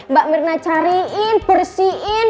mbak mirna cariin bersihin